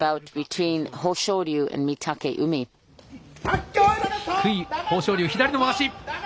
低い、豊昇龍、左のまわし。